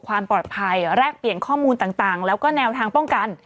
ความปลอดภัยแลกเปลี่ยนข้อมูลต่างแล้วก็แนวทางป้องกัน